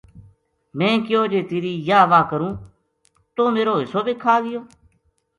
میں کہیو جے تیری یاہ واہ کروں توہ میرو حصو بے کھا گیو